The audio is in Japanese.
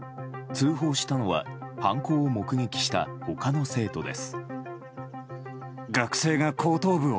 通報したのは犯行を目撃した他の生徒です。